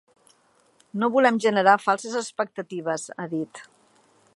No volem generar falses expectatives, ha dit.